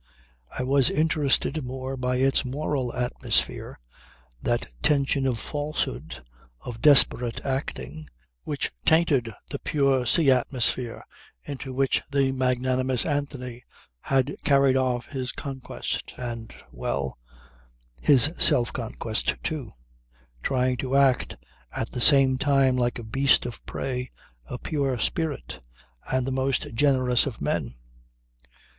I was interested more by its moral atmosphere, that tension of falsehood, of desperate acting, which tainted the pure sea atmosphere into which the magnanimous Anthony had carried off his conquest and well his self conquest too, trying to act at the same time like a beast of prey, a pure spirit and the "most generous of men."